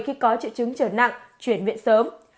khi có triệu chứng trở nặng chuyển viện sớm